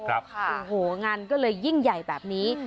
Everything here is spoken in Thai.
โอ้โหงานก็เลยยิ่งใหญ่แบบนี้